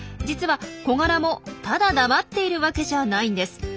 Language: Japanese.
実はコガラもただ黙っているわけじゃないんです。